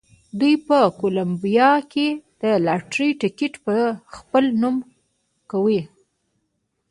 دوی په کولمبیا کې د لاټرۍ ټکټ په خپل نوم کوي.